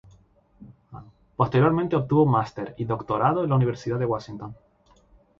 Posteriormente obtuvo un master y un doctorado en la Universidad de Washington.